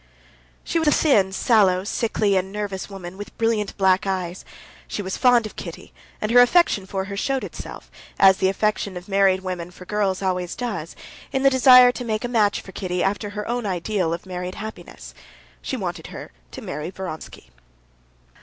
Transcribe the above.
She was a thin, sallow, sickly, and nervous woman, with brilliant black eyes. She was fond of Kitty, and her affection for her showed itself, as the affection of married women for girls always does, in the desire to make a match for Kitty after her own ideal of married happiness; she wanted her to marry Vronsky.